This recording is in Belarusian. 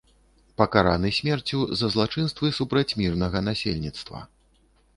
Пакараны смерцю за злачынствы супраць мірнага насельніцтва.